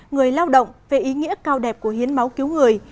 người lao động về ý nghĩa cao đẹp của hiến máu cứu người